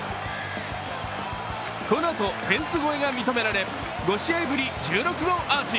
このあとフェンス越えが認められ、５試合ぶり１６号アーチ。